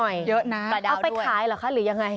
เยอะนะปลาดาวด้วยเอาไปขายเหรอคะหรือยังไง